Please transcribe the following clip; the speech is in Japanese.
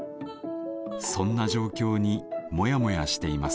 そんな状況にモヤモヤしています。